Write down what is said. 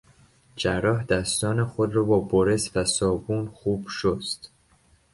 جراح دستان خود را با برس و صابون خوب شست.